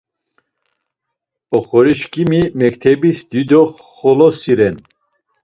Oxoriçkimi mektebis dido xolosi ren.